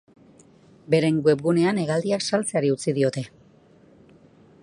Beren webgunean hegaldiak saltzeari utzi diote.